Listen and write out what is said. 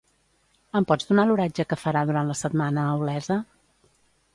Em pots donar l'oratge que farà durant la setmana a Olesa?